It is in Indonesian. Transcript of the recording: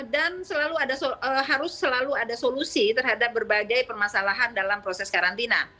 dan harus selalu ada solusi terhadap berbagai permasalahan dalam proses karantina